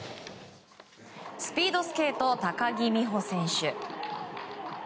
スピードスケート高木美帆選手。